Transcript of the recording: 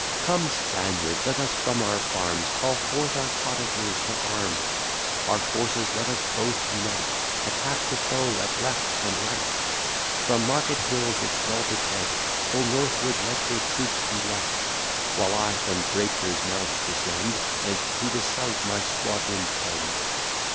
Come, Spaniard, let us from our farms Call forth our cottagers to arms: Our forces let us both unite, Attack the foe at left and right; From Market Hill's exalted head, Full northward let your troops be led; While I from Drapier's Mount descend, And to the south my squadrons bend.